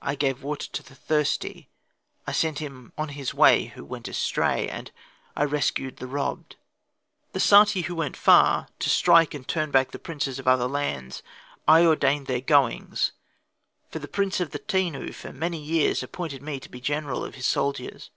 I gave water to the thirsty, I set on his way him who went astray, and I rescued the robbed. The Sati who went far, to strike and turn back the princes of other lands, I ordained their goings; for the Prince of the Tenu for many years appointed me to be general of his soldiers.